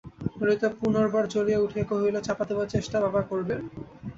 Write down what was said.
ললিতা পুনর্বার জ্বলিয়া উঠিয়া কহিল, চাপা দেবার চেষ্টা বাবা করবেন!